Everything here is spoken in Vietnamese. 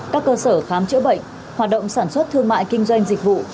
các cơ sở khám chữa bệnh hoạt động sản xuất thương mại kinh doanh dịch vụ